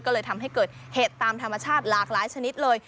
ก็เลยทำให้เกิดเหตุตามธรรมชาติหลากหลายชนิดเลย